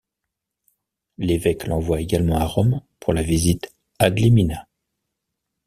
L'évêque l'envoie également à Rome pour la Visite ad limina.